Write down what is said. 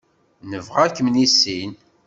Nebɣa ad kem-nissin.